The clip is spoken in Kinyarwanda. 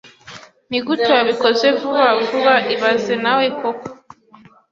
Nigute wabikoze vuba vuba ibaze nawe koko